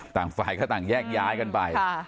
ต่างฝ่ายก็ต่างแยกย้ายกันไป